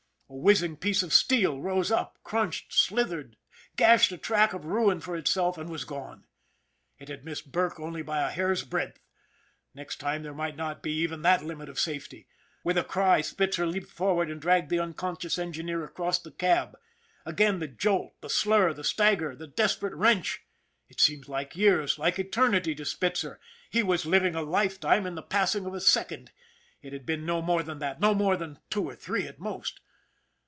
A whizzing piece of steel rose up, crunched, slithered, gashed a track of ruin for itself, and was gone. It had missed Burke only by a hair's breadth next time there might not be even that limit of safety. With a cry, Spitzer leaped forward and dragged the unconscious engineer across the cab. Again the jolt, the slur, the stagger, the desperate wrench. It seemed like years, like eternity to Spitzer. He was living a lifetime in the passing of a second it had been no more than that, no more than two or three at most.